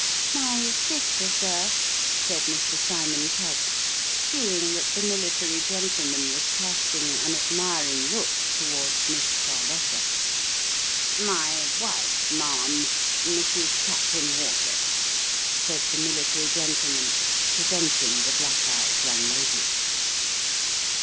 " My sister, sir !" said Mr. Cymon Tuggs ; seeing that the military gentleman was casting an admiring look towards Miss Charlotta. " My wife, ma'am Mrs. Captain Waters," said the military gentle man, presenting the black eyed young lady.